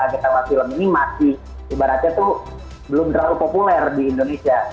ketika film ini masih ibaratnya itu belum terlalu populer di indonesia